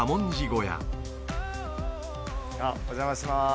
小屋お邪魔します